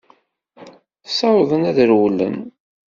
Ssawḍen ad rewlen.